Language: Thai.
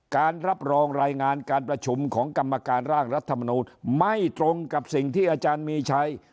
การรับรองรายงานการประชุมของกรรมการร่างรัฐมนูลไม่ตรงกับสิ่งที่อาจารย์มีชัย